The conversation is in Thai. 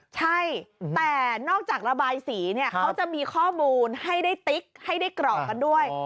ใช่แต่นอกจากระบายสีเนี่ยเขาจะมีข้อมูลให้ได้ติ๊กให้ได้กรอกกันด้วย